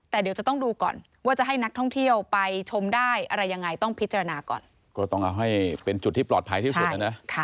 แต่เดี๋ยวจะต้องดูก่อนว่าจะให้นักท่องเที่ยวไปชมได้อะไรยังไงต้องพิจารณาก่อนก็ต้องเอาให้เป็นจุดที่ปลอดภัยที่สุดนะนะ